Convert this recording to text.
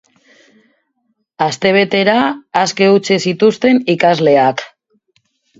Astebetera aske utzi zituzten ikasleak.